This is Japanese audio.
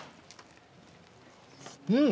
うん！